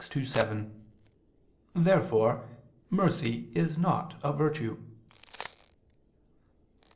ii, 7). Therefore mercy is not a virtue.